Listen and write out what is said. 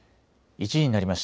１時になりました。